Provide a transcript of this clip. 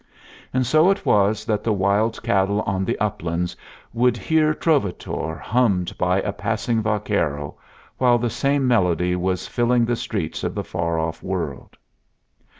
And so it was that the wild cattle on the uplands would hear Trovatore hummed by a passing vaquero, while the same melody was filling the streets of the far off world.